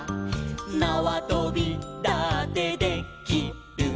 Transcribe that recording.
「なわとびだってで・き・る」